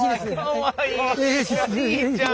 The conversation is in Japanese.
おじいちゃん？